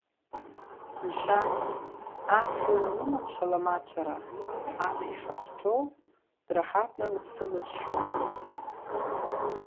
Мшәан, ас илзыманшәалам ацәара, ас ишахәҭоу, драҳаҭны лыԥсы лызшьом.